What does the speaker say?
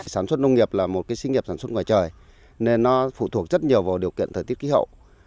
sản xuất nông nghiệp là một sinh nghiệp sản xuất ngoài trời nên nó phụ thuộc rất nhiều vào điều kiện thời tiết ký hậu